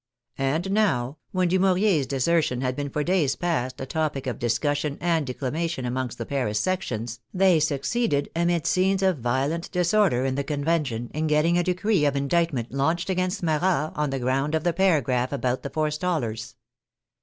And now, when Dumouriez's desertion had been for days past a topic of discussion and declamation amongst the Paris MOUNTAIN AND GIRONDE 59 sections, they succeeded, amid scenes of violent disorder in the Convention, in getting a decree of indictment launched against Marat on the ground of the paragraph about the forestallers.